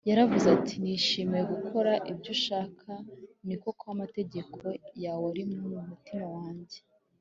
Yaravuze ati, “Nishimira gukora ibyo ushaka, ni koko amategeko yawe ari mu mutima wanjye